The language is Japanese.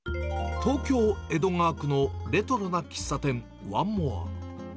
東京・江戸川区のレトロな喫茶店、ワンモア。